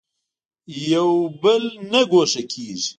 یو بل نه ګوښه کېږي.